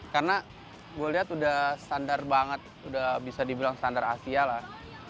karena gue lihat udah standar banget udah bisa dibilang standar asia lah